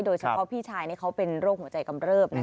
โดยเฉพาะพี่ชายเขาเป็นโรคหัวใจกำเริบ